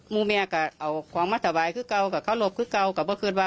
คุณแม่สามารถเมื่อก็เอาของมาทำบ่ายคือเกา